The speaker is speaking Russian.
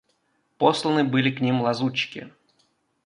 Посланы были к ним лазутчики.